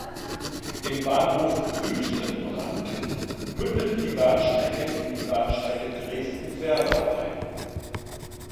Im Bahnhof "Wüstenbrand" mündete die Bahnstrecke in die Bahnstrecke Dresden–Werdau ein.